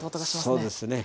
そうですね。